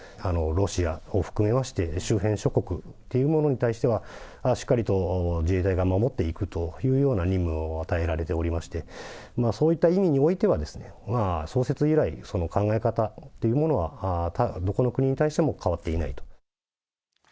ロシアを含めまして、周辺諸国というものに対しては、しっかりと自衛隊が守っていくというような任務を与えられておりまして、そういった意味においては、創設以来、その考え方というものは、どこの国に対しても変わっていないと。